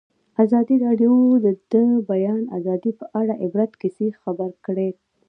ازادي راډیو د د بیان آزادي په اړه د عبرت کیسې خبر کړي.